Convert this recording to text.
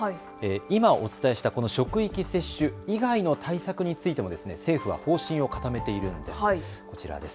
今お伝えしたこの職域接種以外の対策についても政府は方針を固めているんです。